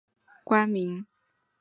谒者是中国古代官名。